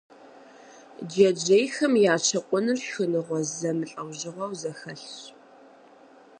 Джэджьейхэм я щыкъуныр шхыныгъуэ зэмылӀэужьыгъуэу зэхэлъщ.